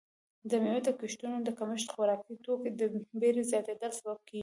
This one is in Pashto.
د میوو د کښتونو کمښت د خوراکي توکو د بیې زیاتیدل سبب کیږي.